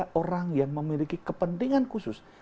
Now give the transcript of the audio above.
sekarang yang memiliki kepentingan khusus